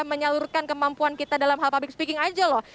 menyalurkan kemampuan kita dalam hal public speaking aja loh